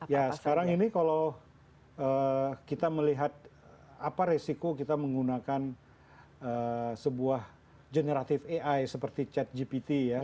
ya sekarang ini kalau kita melihat apa resiko kita menggunakan sebuah generatif ai seperti chat gpt ya